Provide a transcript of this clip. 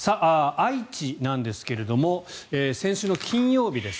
愛知なんですが先週金曜日です。